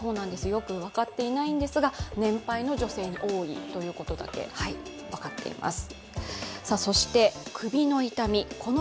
よく分かっていないんですが年配の女性に多いということだけ分かっています。